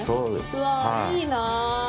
うわっ、いいな。